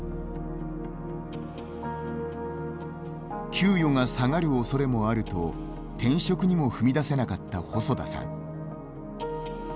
給与が下がるおそれもあると転職にも踏み出せなかった細田さん。